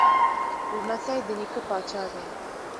لمسی د نیکه پاچا دی.